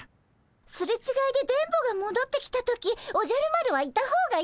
すれちがいで電ボがもどってきた時おじゃる丸はいた方がいいからね。